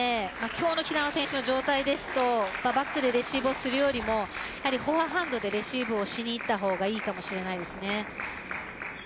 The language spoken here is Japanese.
今日の平野選手の状態ですとバックでレシーブをするよりもフォアハンドでレシーブをしにいった方がいいかもしれないです。